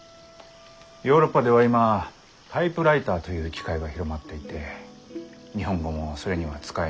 ヨーロッパでは今タイプライターという機械が広まっていて日本語もそれには使えない。